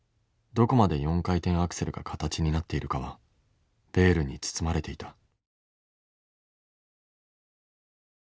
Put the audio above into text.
どこまで４回転アクセルが形になっているかはベールに包まれていた。